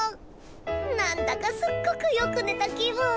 何だかすっごくよく寝た気分。